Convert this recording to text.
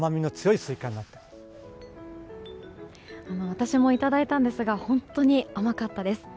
私もいただいたんですが本当に甘かったです。